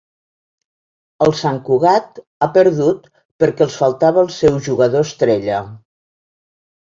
El Sant Cugat ha perdut perquè els faltava el seu jugador estrella